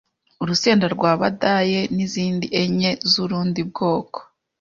urusenda rwa Badaye n’izindi enye z’urundi bwoko.